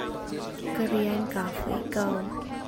Ka rian kaa fawih ko.